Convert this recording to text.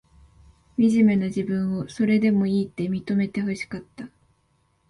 みじめな自分を、それでもいいって、認めてほしかった。